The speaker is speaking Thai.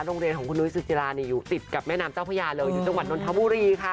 โรงเรียนของคุณนุ้ยสุจิรานี่อยู่ติดกับแม่น้ำเจ้าพระยาเลยอยู่จังหวัดนทบุรีค่ะ